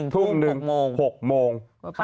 ๑ทุ่ม๖โมง